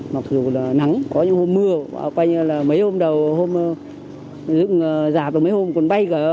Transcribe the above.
mặc dù là nắng có những hôm mưa mấy hôm đầu mấy hôm cuốn bay cả